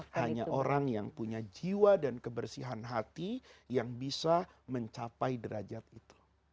hanya orang yang punya jiwa dan kebersihan hati yang bisa mencapai derajat itu